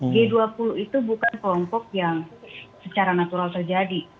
g dua puluh itu bukan kelompok yang secara natural terjadi